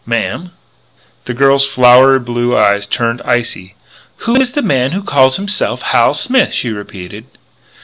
"Ma'am?" The girl's flower blue eyes turned icy: "Who is the man who calls himself Hal Smith?" she repeated.